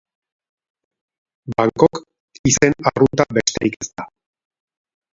Bangkok izen arrunta besterik ez da.